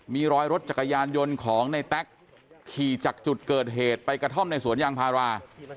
มีรอยรถจักรยานยนต์ของในแต๊กขี่จากจุดเกิดเหตุไปกระท่อมในสวนยางพารา